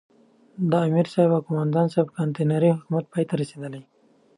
د امرصاحب او قوماندان صاحب کانتينري حکومت پای ته رسېدلی.